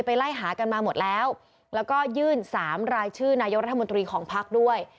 ไล่หากันมาหมดแล้วแล้วก็ยื่นสามรายชื่อนายกรัฐมนตรีของพักด้วย